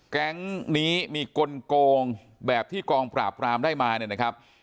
แก๊งนี้มีกลงแบบที่กองปราบรามได้มาเนี่ยนะครับ